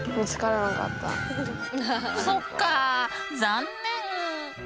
そっかあ残念。